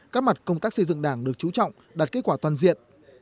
các mặt công tác xây dựng đảng được chú trọng đạt kết quả toàn diện